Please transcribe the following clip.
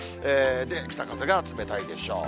北風が冷たいでしょう。